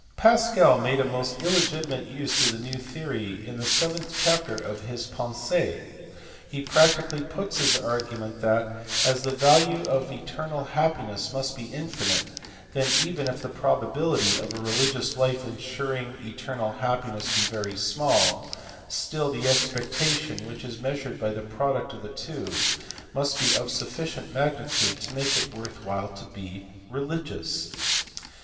Pascal made a most illegitimate use of the new theory in the seventh chapter of his Pensees. He practically puts his argument that, as the value of eternal happiness must be infi nite, then, even if the probability of a religious life ensuring eternal happiness be very small, still the expectation (which is measured by the product of the two) must be of sufficient magnitude to make it worth while to be religious.